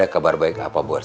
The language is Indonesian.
kamu meng elafol